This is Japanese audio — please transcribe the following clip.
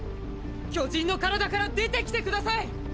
⁉巨人の体から出てきて下さい！！